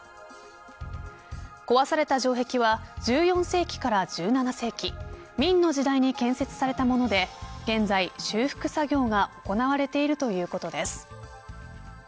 壊された城壁は１４世紀から１７世紀明の時代に建設されたもので現在、修復作業が行われているということです。